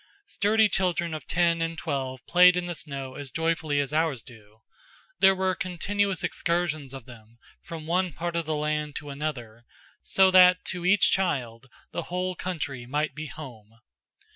Sturdy children of ten and twelve played in the snow as joyfully as ours do; there were continuous excursions of them, from one part of the land to another, so that to each child the whole country might be home.